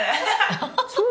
そう？